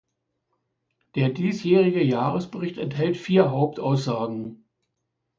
Der diesjährige Jahresbericht enthält vier Hauptaussagen.